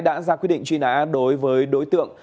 đã ra quyết định truy nã đối với đối tượng